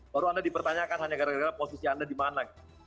baru anda dipertanyakan hanya gara gara posisi anda di mana